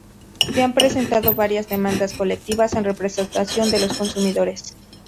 Se han presentado varias demandas colectivas en representación de los consumidores.